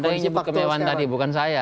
anda yang sebut kemewahan tadi bukan saya